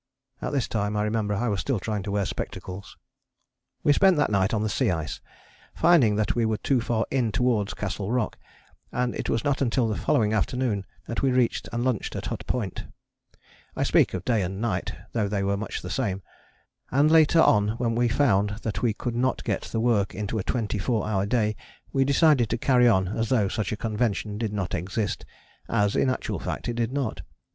At this time, I remember, I was still trying to wear spectacles. We spent that night on the sea ice, finding that we were too far in towards Castle Rock; and it was not until the following afternoon that we reached and lunched at Hut Point. I speak of day and night, though they were much the same, and later on when we found that we could not get the work into a twenty four hour day, we decided to carry on as though such a convention did not exist; as in actual fact it did not.